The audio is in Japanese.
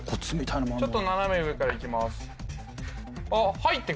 ちょっと斜め上からいきますあっ